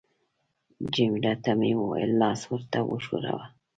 جميله ته مې وویل: لاس ورته وښوروه.